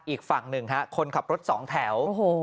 อีกฝั่งหนึ่งฮะคนขับรถสองแถว